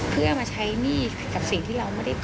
ไปใช้หนี้ในสิ่งที่เราไม่ได้ก่อ